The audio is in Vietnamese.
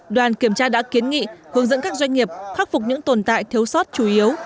đoàn kiểm tra đã kiến nghị hướng dẫn các doanh nghiệp khắc phục những tồn tại thiếu sót chủ yếu